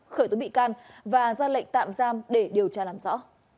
khởi tố bị can và ra lệnh tạm giam để điều tra làm rõ